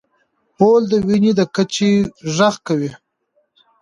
غول د وینې د کچې غږ کوي.